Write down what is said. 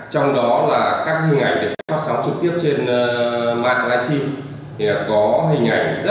trong đó là các hình ảnh được phát sóng trực tiếp trên mạng live stream